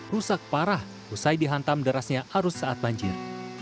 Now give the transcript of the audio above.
rusak parah usai dihantam derasnya arus saat banjir